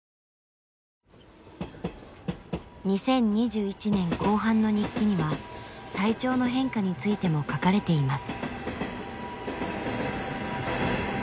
２０２１年後半の日記には体調の変化についても書かれています。